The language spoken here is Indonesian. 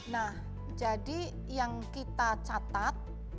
nah jadi yang kita catat